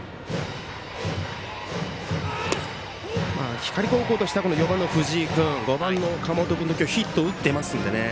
光高校としては４番の藤井君５番の岡本君ヒットを打っていますので。